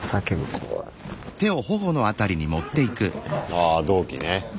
ああ同期ね。